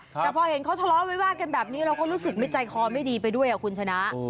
แต่พอเห็นเขาทะเลาะวิวาดกันแบบนี้เราก็รู้สึกไม่ใจคอไม่ดีไปด้วยคุณชนะ